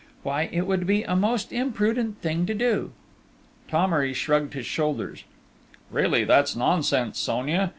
Why, it would be a most imprudent thing to do!..." Thomery shrugged his shoulders. "Really, that's nonsense, Sonia!